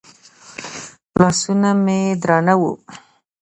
لاسونه مې درانه وو.